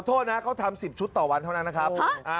โทษนะเขาทำ๑๐ชุดต่อวันเท่านั้นนะครับ